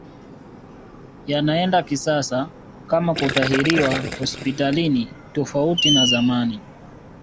Yanaenda kisasa kama kutahiriwa hospitalini tofauti na zamani